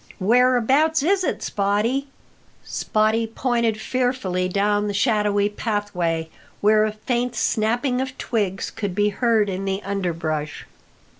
"Whereabouts is it, Spottie?" Spottie pointed fearfully down the shadowy pathway, where a faint snapping of twigs could be heard in the underbrush.